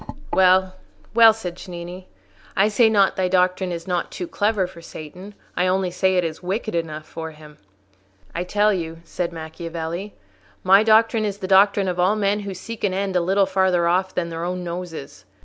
"Well, well," said Cennini, "I say not thy doctrine is not too clever for Satan: I only say it is wicked enough for him." "I tell you," said Macchiavelli, "my doctrine is the doctrine of all men who seek an end a little farther off than their own noses.